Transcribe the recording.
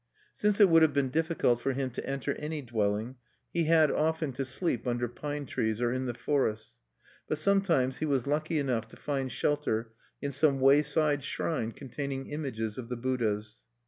Since it would have been difficult for him to enter any dwelling, he had often to sleep under pine trees or in the forests; but sometimes he was lucky enough to find shelter in some wayside shrine containing images of the Buddhas.